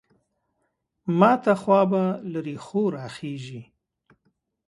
ماته خوا به له رېښو راخېژي.